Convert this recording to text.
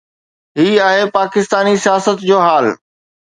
هي آهي پاڪستاني سياست جو حال.